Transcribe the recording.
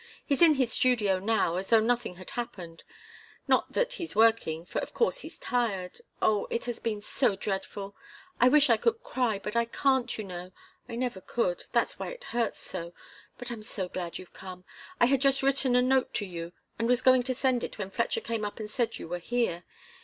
He's in his studio now, as though nothing had happened not that he's working, for of course he's tired oh, it has been so dreadful I wish I could cry, but I can't, you know. I never could. That's why it hurts so. But I'm so glad you've come. I had just written a note to you and was going to send it, when Fletcher came up and said you were here.